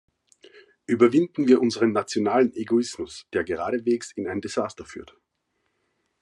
Überwinden wir unseren nationalen Egoismus, der geradewegs in ein Desaster führt.